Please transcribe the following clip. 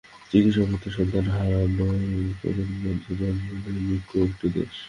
চিকিৎসক অমৃতের সন্তান হারানোর শোকের মাঝে জন্ম নেয় নতুন একটি দেশ।